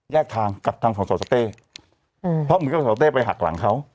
ทางกับทางของสสเต้อืมเพราะเหมือนกับสอเต้ไปหักหลังเขา